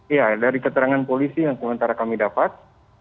iya dari keterangan polisi yang sementara kami dapat